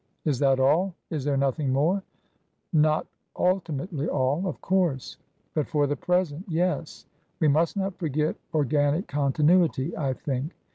" Is that all ? Is there nothing more ?" "Not ultimately all, of course — ^but for the present, yes. We must not forget * organic continuity,' I think.